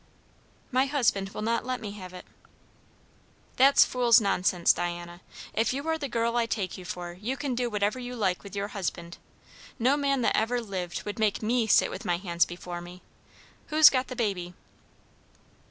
"My husband will not let me have it." "That's fool's nonsense, Diana. If you are the girl I take you for, you can do whatever you like with your husband. No man that ever lived would make me sit with my hands before me. Who's got the baby?"